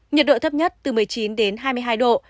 nhiệt độ thấp nhất từ một mươi chín đến hai mươi hai độ